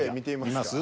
見ます？